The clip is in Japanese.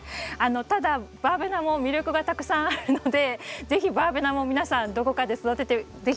ただバーベナも魅力がたくさんあるので是非バーベナも皆さんどこかで育てて頂けたらうれしいです。